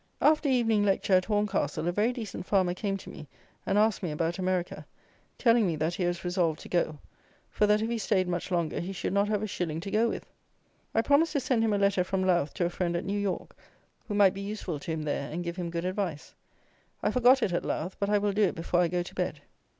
After evening lecture at Horncastle a very decent farmer came to me and asked me about America, telling me that he was resolved to go, for that if he stayed much longer he should not have a shilling to go with. I promised to send him a letter from Louth to a friend at New York, who might be useful to him there and give him good advice. I forgot it at Louth; but I will do it before I go to bed.